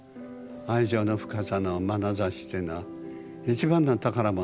愛情の深さのまなざしというのは一番の宝物なの。